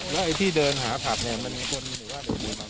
แล้วที่เดินหาผักแห่งมีคนหรือว่า